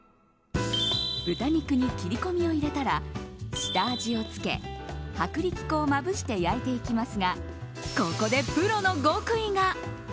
豚肉に切り込みを入れたら下味をつけ薄力粉をまぶして焼いていきますがここでプロの極意が。